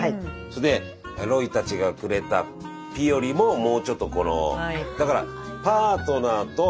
それでロイたちがくれたピよりももうちょっとこの。